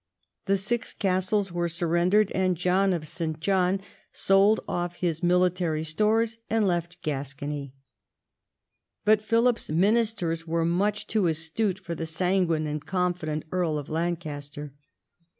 The six castles were surrendered, and John of Saint John sold off his military stores and left Gascony. But Philip's ministers were much too astute for the sanguine and confident Earl of Lancaster.